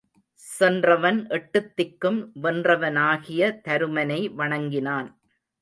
சென்றவன் எட்டுத்திக்கும் வென்றவனாகிய தருமனை வணங்கினான்.